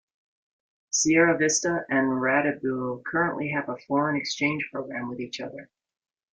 Sierra Vista and Radebeul currently have a foreign exchange program with each other.